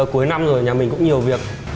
cuối năm rồi nhà mình cũng nhiều việc